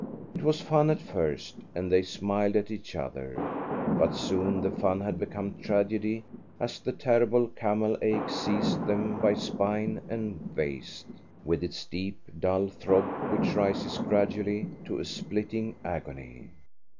It was fun at first, and they smiled at each other, but soon the fun had become tragedy as the terrible camel ache seized them by spine and waist, with its deep, dull throb, which rises gradually to a splitting agony.